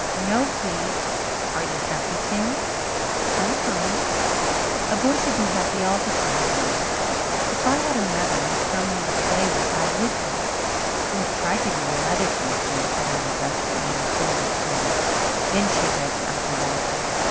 "No, please." "Are you happy, Jims?" "Sometimes." "A boy should be happy all the time, Jims." "If I had a mother and someone to play with I would be." "I have tried to be a mother to you, Jims," said Aunt Augusta, in an offended tone. Then she addressed Uncle Walter.